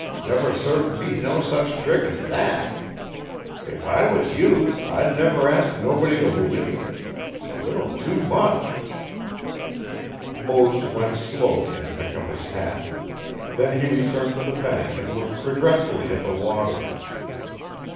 Never served me no sech trick as thet. If I was you I'd never ask nobody t' b'lieve it 'S a leetle tew much.' Mose went slowly and picked up his hat. Then he returned to the bank and looked regretfully at the water.